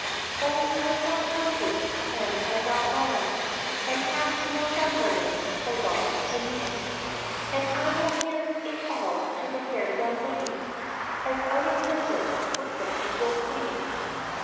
"O I've got houses and I've got land, And half Northumberland belongs to me; And I will give it all to the fair young lady As out of prison would let me go free."